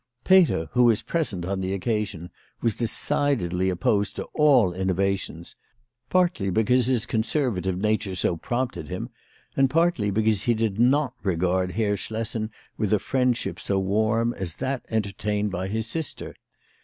Peter, who was present on the occasion, was decidedly opposed to all innovations, partly because his conserva tive nature so prompted him, and partly because he did not regard Herr Schlessen with a friendship so warm as that entertained by his sister.